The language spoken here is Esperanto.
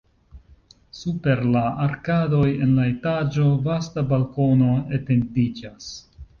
Super la arkadoj en la etaĝo vasta balkono etendiĝas.